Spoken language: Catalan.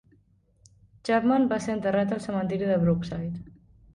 Chapman va ser enterrat al cementiri de Brookside.